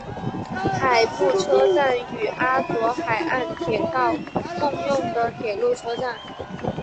海部车站与阿佐海岸铁道共用的铁路车站。